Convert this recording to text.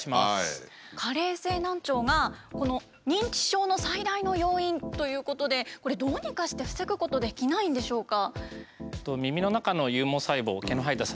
加齢性難聴が認知症の最大の要因ということでこれどうにかして防ぐことできないんでしょうか？